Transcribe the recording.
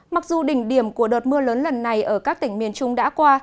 mặc dù đỉnh điểm của đợt mưa lớn lần này ở các tỉnh miền trung đã qua